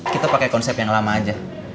kita pakai konsep yang lama aja